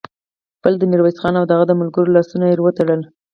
بل د ميرويس خان او د هغه د ملګرو لاسونه ور وتړل.